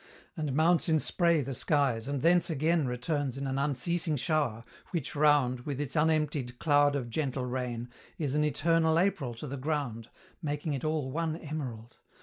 And mounts in spray the skies, and thence again Returns in an unceasing shower, which round, With its unemptied cloud of gentle rain, Is an eternal April to the ground, Making it all one emerald.